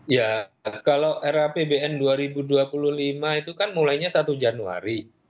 ya kalau rapbn dua ribu dua puluh lima itu kan mulainya satu januari